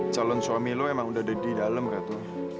calon suami lo emang udah di dalam ratu